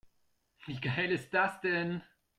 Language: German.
Wie geil ist das denn?